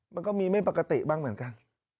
มันก็มีไม่ปกติบ้างเหมือนกัน